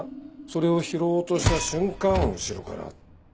それを拾おうとした瞬間後ろから。